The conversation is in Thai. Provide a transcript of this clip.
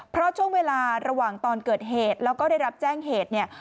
เพราะช่วงเวลาระหว่างตอนเกิดเหตุแล้วก็ได้รับแจ้งเหตุเนี่ย